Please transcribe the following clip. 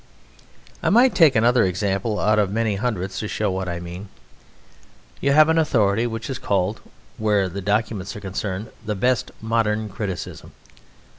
I might take another example out of many hundreds to show what I mean. You have an authority which is called, where documents are concerned, "The Best Modern Criticism."